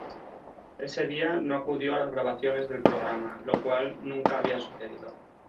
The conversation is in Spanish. Ese día no acudió a las grabaciones del programa, lo cual nunca había sucedido.